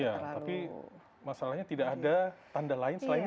iya tapi masalahnya tidak ada tanda lain selain itu